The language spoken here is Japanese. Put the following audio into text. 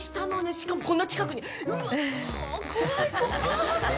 しかもこんな近くにうわ怖い怖い。